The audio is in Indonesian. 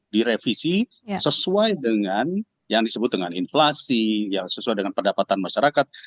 direvisi sesuai dengan yang disebut dengan inflasi yang sesuai dengan pendapatan masyarakat